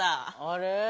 あれ？